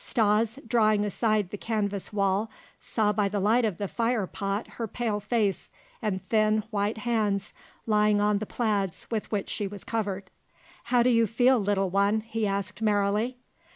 Stas, drawing aside the canvas wall, saw by the light of the fire pot her pale face, and thin, white hands lying on the plaids with which she was covered. "How do you feel, little one?" he asked merrily.